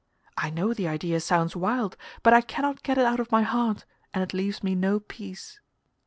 I know the idea sounds wild, but I cannot get it out of my heart, and it leaves me no peace.